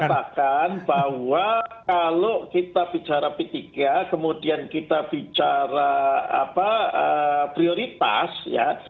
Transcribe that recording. ya tetapi ingin saya katakan bahwa kalau kita bicara p tiga kemudian kita bicara apa prioritas ya